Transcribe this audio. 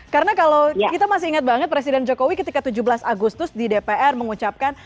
karena kalau kita masih ingat banget presiden jokowi ketika tujuh belas agustus di dpr mengucapkan